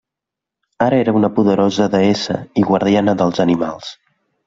Ara era una poderosa deessa i guardiana dels animals.